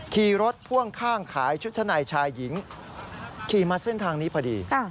ขี่รถพ่วงข้างขายชุดชั้นในชายหญิงขี่มาเส้นทางนี้พอดี